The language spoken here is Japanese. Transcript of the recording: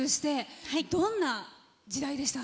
どんな時代でした？